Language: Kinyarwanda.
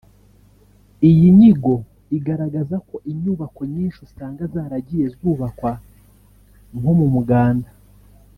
Iyi nyigo igaragaza ko inyubako nyinshi usanga zaragiye zubakwa nko mu muganda